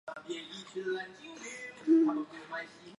后凹尾龙的骨骸大致上类似泰坦巨龙类的骨骸。